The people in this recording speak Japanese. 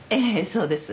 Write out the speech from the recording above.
そうです。